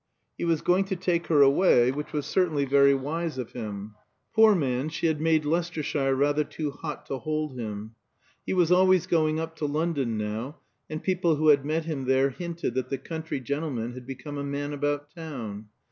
He was going to take her away, which was certainly very wise of him. Poor man, she had made Leicestershire rather too hot to hold him. He was always going up to London now, and people who had met him there hinted that the country gentleman had become a man about town.